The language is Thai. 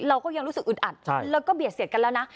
เราก็ยังรู้สึกอึดอัดแล้วก็เบียดเสียดกันแล้วนะ